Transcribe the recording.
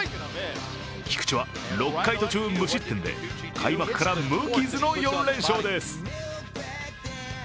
菊池は６回途中無失点で開幕から無傷の４連勝です。